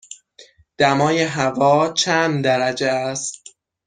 دمای هوا چند درجه است؟